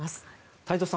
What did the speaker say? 太蔵さん